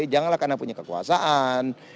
janganlah karena punya kekuasaan